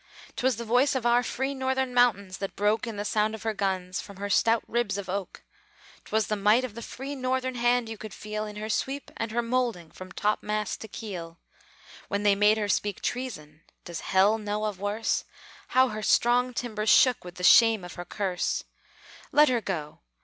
'Twas the voice of our free Northern mountains that broke In the sound of her guns, from her stout ribs of oak: 'Twas the might of the free Northern hand you could feel In her sweep and her moulding, from topmast to keel: When they made her speak treason (does Hell know of worse?), How her strong timbers shook with the shame of her curse! Let her go!